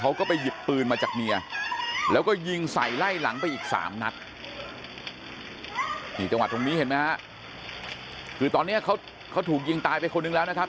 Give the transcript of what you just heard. นี่จังหวัดตรงนี้เห็นไหมฮะคือตอนนี้เขาถูกยิงตายไปคนหนึ่งแล้วนะครับ